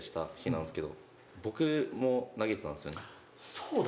そうだ。